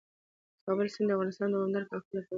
د کابل سیند د افغانستان د دوامداره پرمختګ لپاره اړین دي.